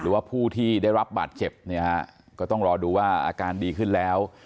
หรือว่าผู้ที่ได้รับบาดเจ็บเนี่ยฮะก็ต้องรอดูว่าอาการดีขึ้นแล้ว